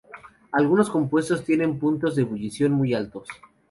Algunos compuestos tienen puntos de ebullición muy altos.